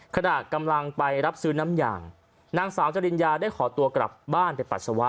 ขณะกำลังไปรับซื้อน้ำยางนางสาวจริญญาได้ขอตัวกลับบ้านไปปัสสาวะ